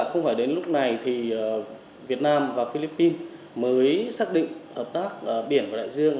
không phải đến lúc này thì việt nam và philippines mới xác định hợp tác biển và đại dương